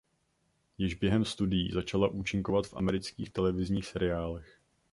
Již během studií začala účinkovat v amerických televizních seriálech.